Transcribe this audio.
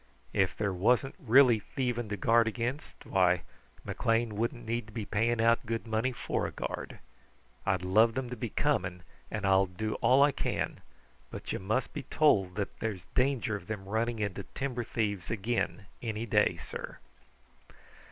If there wasn't really thieving to guard against, why, McLean wouldn't need be paying out good money for a guard. I'd love them to be coming, and I'll do all I can, but you must be told that there's danger of them running into timber thieves again any day, sir."